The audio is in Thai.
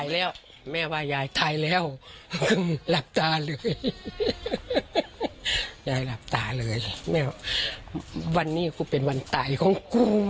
แล้วแม่ไม่กลัวว่าตอนปืนมันเจาะแม่อยู่แม่ไม่กลัวแม่ว่าตายแล้ว